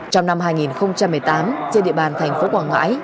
trong năm hai nghìn một mươi tám trên địa bàn thành phố quảng ngãi